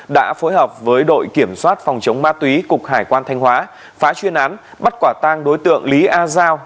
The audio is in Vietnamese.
đã phối hợp với đội kiểm soát phòng chống ma túy cục hải quan thanh hóa phá chuyên án bắt quả tang đối tượng lý a giao